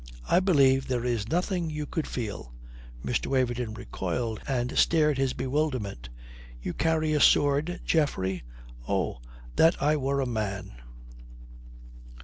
"I believe there is nothing you could feel." Mr. Waverton recoiled and stared his bewilderment. "You carry a sword, Geoffrey. Oh, that I were a man!"